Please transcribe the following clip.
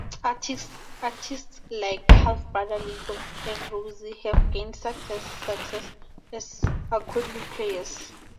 Artists like half-brothers Lego and Rossy have gained success as accordion players.